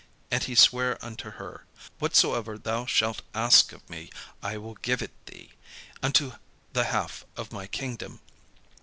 And he sware unto her, "Whatsoever thou shalt ask of me, I will give it thee, unto the half of my kingdom."